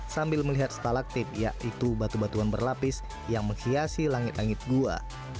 sambil melihat stalaktip yaitu batu batuan berlapis yang menghiasi langit langit gua